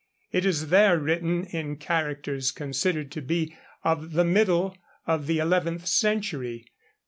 It is there written in characters considered to be of the middle of the eleventh century.